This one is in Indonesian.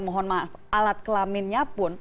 mohon maaf alat kelaminnya pun